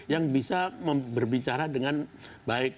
yang bisa berbicara dengan baik